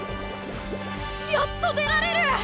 やっと出られる！